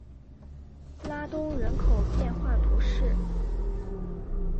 拉东人口变化图示